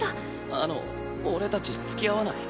あの俺たちつきあわない？